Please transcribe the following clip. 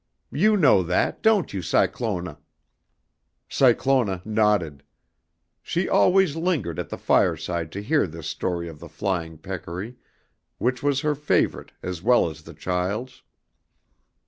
You know that, don't you, Cyclona?" Cyclona nodded. She always lingered at the fireside to hear this story of the flying peccary which was her favorite as well as the child's.